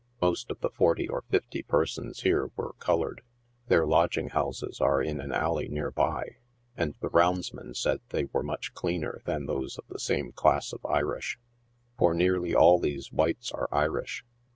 Most of the forty or fifty persons here were colored. Their lodging houses are in an alley near by ; and the roundsman said they were much cleaner than those of the same class of Irish. For nearly all these whites are Irish.